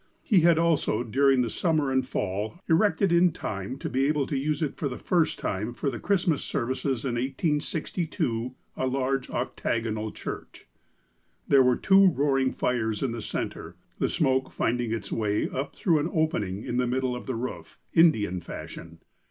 He had also, during the Summer and Fall, erected, in time to be able to use it for the first time for the Christ mas services in 1862, a large, octagonal church. There were two roaring fires in the centre, the smoke finding its way up through an opening in the middle of the roof, In dian fashion.